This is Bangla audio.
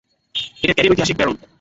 এটা ক্যারির ঐতিহাসিক ব্যারন।